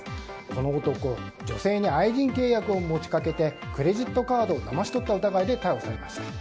この男女性に愛人契約を持ち掛けてクレジットカードをだまし取った疑いで逮捕されました。